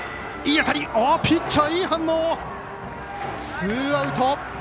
ツーアウト。